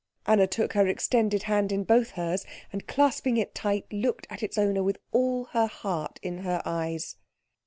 Anna took her extended hand in both hers, and clasping it tight looked at its owner with all her heart in her eyes.